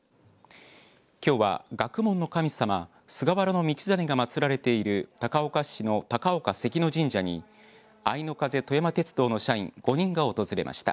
きょうは学問の神様菅原道真が祭られている高岡市の高岡関野神社にあいの風とやま鉄道の社員５人が訪れました。